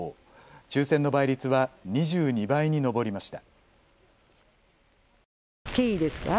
抽せんの倍率は２２倍に上りました。